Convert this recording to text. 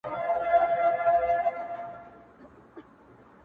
• پرېږدی په اور يې اوربل مه ورانوی,